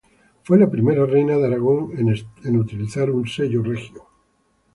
Fue la primera reina de Aragón en utilizar un sello regio.